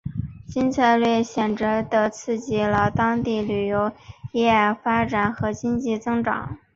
新政策显着地刺激了当地旅游业发展和经济增长。